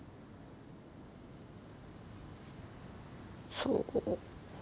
そう。